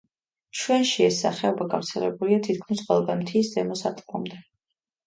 ჩვენში ეს სახეობა გავრცელებულია თითქმის ყველგან მთის ზემო სარტყლამდე.